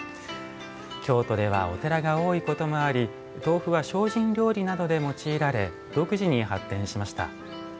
京都ではお寺が多いこともあり豆腐は精進料理などで用いられ独自に発展しました。